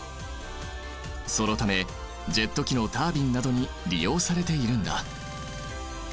そのためジェット機のタービンなどに利用されているんだ。